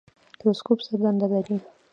تلسکوپ څه دنده لري؟